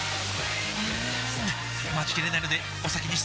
うーん待ちきれないのでお先に失礼！